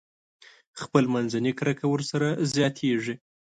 خپل منځي کرکه ورسره زياتېږي.